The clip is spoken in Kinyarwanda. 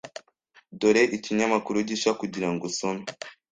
Dore ikinyamakuru gishya kugirango usome.